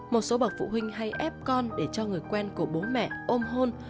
một số bậc phụ huynh hay ép con để cho người quen của bố mẹ ôm hôn